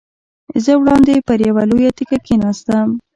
زه وړاندې پر یوه لویه تیږه کېناستم.